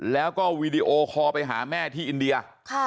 แล้วก็วีดีโอคอลไปหาแม่ที่อินเดีย